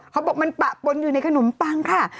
เขาบอกมันปะปนอยู่ในขนมปังค่ะ